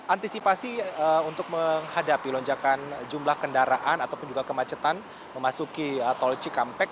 antisipasi untuk menghadapi lonjakan jumlah kendaraan ataupun juga kemacetan memasuki tol cikampek